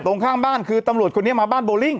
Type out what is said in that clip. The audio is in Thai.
ข้างบ้านคือตำรวจคนนี้มาบ้านโบลิ่ง